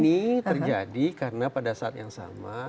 ini terjadi karena pada saat yang sama